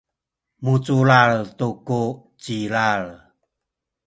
muculal tu ku cilal